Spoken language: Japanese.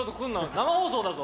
生放送だぞ。